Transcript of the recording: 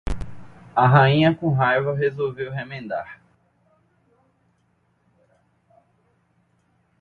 a rainha com raiva resolveu remendar